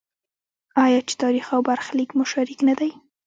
آیا چې تاریخ او برخلیک مو شریک نه دی؟